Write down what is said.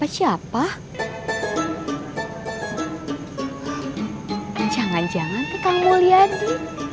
siapa tahu dia nelfon lagi